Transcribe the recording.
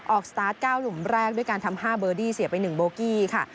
สตาร์ท๙หลุมแรกด้วยการทำ๕เบอร์ดี้เสียไป๑โบกี้ค่ะ